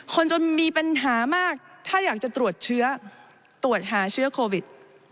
คนจนมีปัญหามากถ้าอยากจะตรวจเชื้อตรวจหาเชื้อโควิด